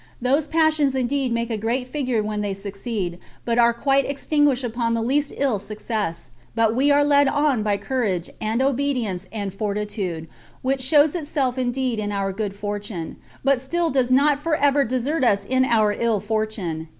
Those passions indeed make a great figure when they succeed, but are quite extinguished upon the least ill success; but we are led on by courage, and obedience, and fortitude, which shows itself indeed in our good fortune, but still does not for ever desert us in our ill fortune.